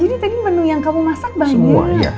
ini tadi menu yang kamu masak banget ya